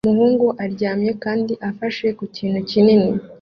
Umuhungu aryamye kandi afashe ku kintu kinini